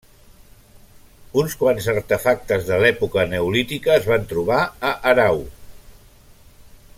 Uns quants artefactes de l'època neolítica es van trobar a Aarau.